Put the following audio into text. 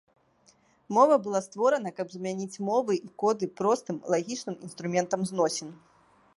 Мова была створана каб замяніць мовы і коды простым, лагічным інструментам зносін.